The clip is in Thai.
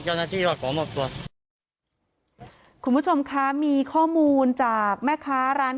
เจ้าหน้าที่ก็ขอมอบตัวคุณผู้ชมคะมีข้อมูลจากแม่ค้าร้าน